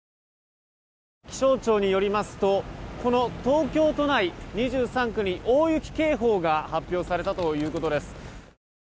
気象庁によりますとこの東京都内２３区に大雪警報が発表されたということです。